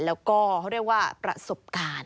แล้วก็เขาเรียกว่าประสบการณ์